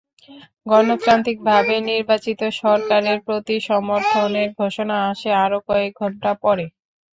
গণতান্ত্রিকভাবে নির্বাচিত সরকারের প্রতি সমর্থনের ঘোষণা আসে আরও কয়েক ঘণ্টা পরে।